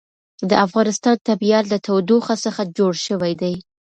د افغانستان طبیعت له تودوخه څخه جوړ شوی دی.